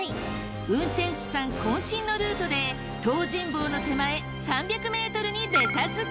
運転手さんこん身のルートで東尋坊の手前３００ｍにベタ付け。